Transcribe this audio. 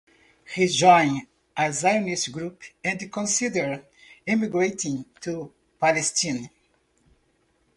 He joined a Zionist group and considered emigrating to Palestine.